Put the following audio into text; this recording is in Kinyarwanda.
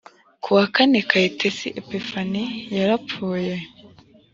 ku wa kane kayitesi epiphanie yarapfuye